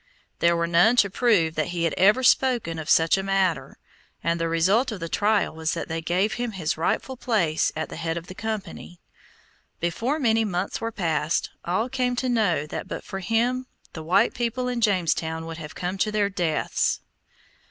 There were none to prove that he had ever spoken of such a matter, and the result of the trial was that they gave him his rightful place at the head of the company. Before many months were passed, all came to know that but for him the white people in Jamestown would have come to their deaths.